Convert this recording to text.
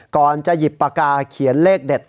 ก่อนจะหยิบปากกาเขียนเลขเด็ด